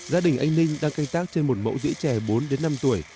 gia đình anh ninh đang canh tác trên một mẫu dưỡng trẻ bốn năm tuổi